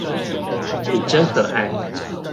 你真可愛